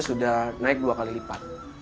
sudah naik dua kali lipat